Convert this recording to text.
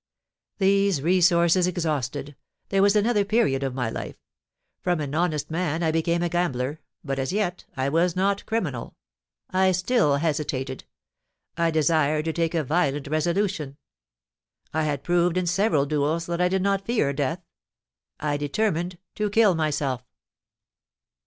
These resources exhausted, there was another period of my life; from an honest man I became a gambler, but, as yet, I was not criminal I still hesitated I desired to take a violent resolution. I had proved in several duels that I did not fear death. I determined to kill myself!"